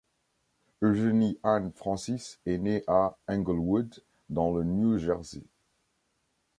Eugenie Ann Francis est née à Englewood dans le New Jersey.